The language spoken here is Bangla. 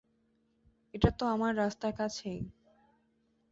এটাতো আমার রাস্তার কাছেই।